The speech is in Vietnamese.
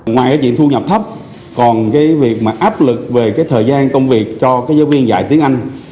ngoài chuyện thu nhập thấp còn việc áp lực về thời gian công việc cho giáo viên dạy tiếng anh